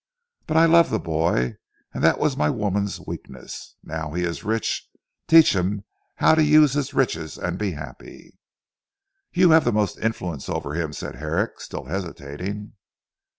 But I love the boy, and that was my woman's weakness. Now he is rich, teach him how to use his riches and be happy." "You have most influence over him" said Herrick still hesitating.